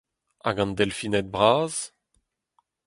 Hag an delfined bras ?